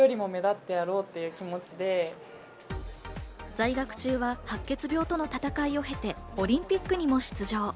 在学中は白血病との闘いも経て、オリンピックにも出場。